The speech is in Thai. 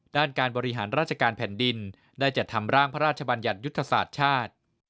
ด้านการบริหารราชการแผ่นดินได้จัดทำร่างพระราชบัญญัติยุทธศาสตร์ชาติ